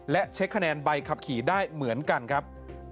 และเช็คคะแนนใบขับขี่ได้เหมือนกันครับ